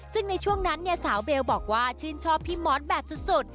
ซึ่งในช่วงนั้นเนี่ยสาวเบลบอกว่าชื่นชอบพี่มอสแบบสุด